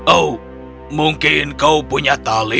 oh mungkin kau punya tali